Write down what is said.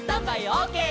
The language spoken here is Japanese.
オーケー！」